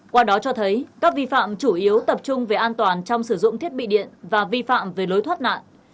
qua đó cho thấy các vi phạm chủ yếu tập trung về an toàn trong sử dụng thiết bị điện và vi phạm về lối thoát nạn